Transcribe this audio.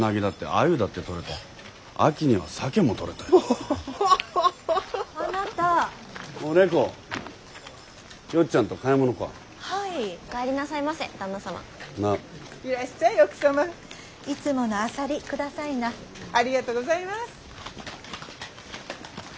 ありがとうございます。